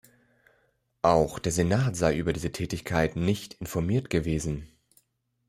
Auch der Senat sei über diese Tätigkeit nicht informiert gewesen.